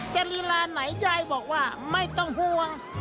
ลีลาไหนยายบอกว่าไม่ต้องห่วง